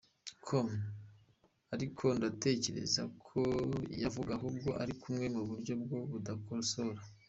com : Ariko ntekereza ko kuyavuga ahubwo ari bumwe mu buryo bwo kubakosora ?.